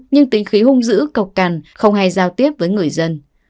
nhưng tính khí hung dữ cọc cằn không hay giao tiếp với người dân